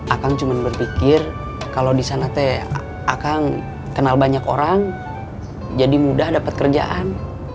akang cuma berpikir kalau di sana akang kenal banyak orang jadi mudah dapat kerjaan